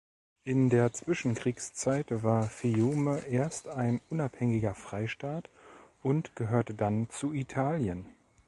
In der Zwischenkriegszeit war Fiume zuerst ein unabhängiger Freistaat und gehörte dann zu Italien.